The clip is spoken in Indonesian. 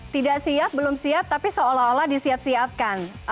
tidak siap belum siap tapi seolah olah disiap siapkan